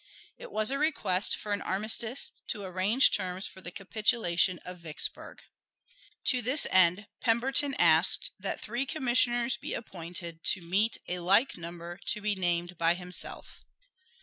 It was a request for an armistice to arrange terms for the capitulation of Vicksburg. To this end Pemberton asked that three commissioners be appointed to meet a like number to be named by himself.